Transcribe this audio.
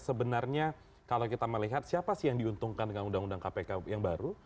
sebenarnya kalau kita melihat siapa sih yang diuntungkan dengan undang undang kpk yang baru